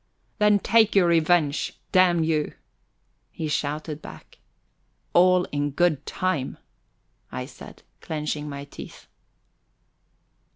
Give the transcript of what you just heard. "Then take your revenge, damn you!" he shouted back. "All in good time," I said, clenching my teeth.